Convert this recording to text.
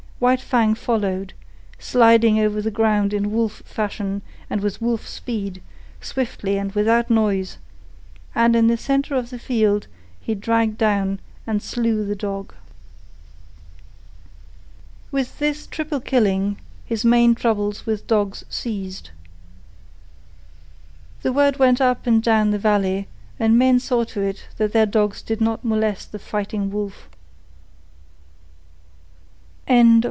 White Fang followed, sliding over the ground in wolf fashion and with wolf speed, swiftly and without noise, and in the centre of the field he dragged down and slew the dog. With this triple killing his main troubles with dogs ceased. The word went up and down the valley, and men saw to it that their dogs did not molest the Fighting Wolf.